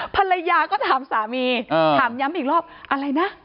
ภรรยาก็ถามสามีถามย้ำอีกรอบอะไรนะ